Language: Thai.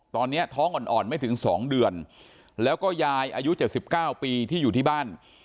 ตอนนี้ท้องอ่อนไม่ถึง๒เดือนแล้วก็ยายอายุ๗๙ปีที่อยู่ที่บ้าน